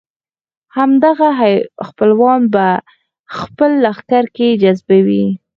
همدغه خپلوان په خپل لښکر کې جذبوي.